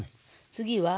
次は。